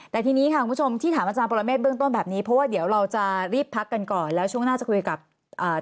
แต่ทีนี้ค่ะคุณผู้ชมที่ถามอาจารย์ปรเมฆเบื้องต้นแบบนี้เพราะว่าเดี๋ยวเราจะรีบพักกันก่อนแล้วช่วงหน้าจะคุยกับอ่า